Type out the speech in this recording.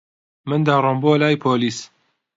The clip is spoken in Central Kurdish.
من دەڕۆم بۆ لای پۆلیس.